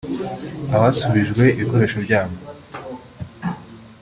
Abasubijwe ibikoresho byabo